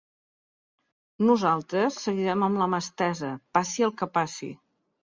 Nosaltres seguirem amb la mà estesa, passi el que passi.